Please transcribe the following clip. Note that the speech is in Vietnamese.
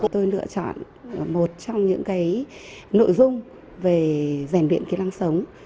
tôi lựa chọn một trong những cái nội dung về giảm điện của trường